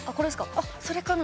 あっそれかな？